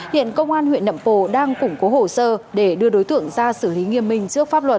hiện công an huyện nậm pồ đang củng cố hồ sơ để đưa đối tượng ra xử lý nghiêm minh trước pháp luật